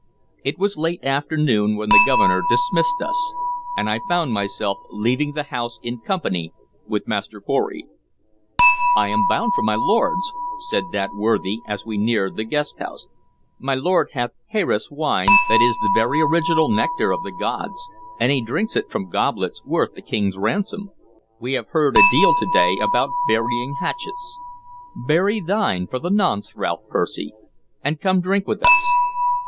It was late afternoon when the Governor dismissed us, and I found myself leaving the house in company with Master Pory. "I am bound for my lord's," said that worthy as we neared the guest house. "My lord hath Xeres wine that is the very original nectar of the gods, and he drinks it from goblets worth a king's ransom. We have heard a deal to day about burying hatchets: bury thine for the nonce, Ralph Percy, and come drink with us."